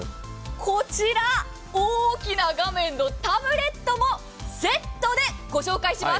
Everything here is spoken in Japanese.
こちら、大きな画面のタブレットもセットでご紹介します。